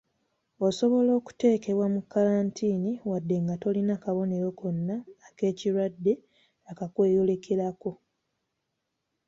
Osobola okuteekebwa mu kkalantiini wadde nga tolina kabonero konna ak’ekirwadde akakweyolekerako.